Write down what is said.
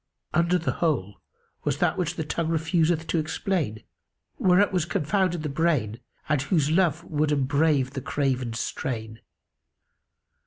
Under the whole was that which tongue refuseth to explain, whereat was confounded the brain and whose love would embrave the craven's strain.